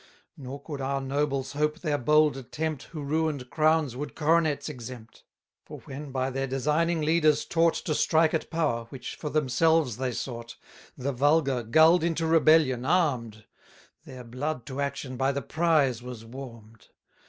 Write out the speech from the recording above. Nor could our nobles hope their bold attempt 30 Who ruin'd crowns would coronets exempt: For when by their designing leaders taught To strike at power, which for themselves they sought, The vulgar, gull'd into rebellion, arm'd; Their blood to action by the prize was warm'd.